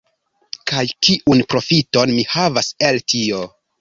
Kaj kiun profiton mi havas el tio?